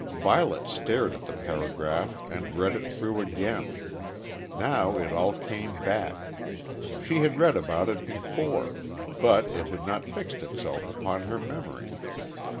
Violet stared at the paragraph and read it through again. Now it all came back. She had read about it before, but it had not fixed itself upon her memory.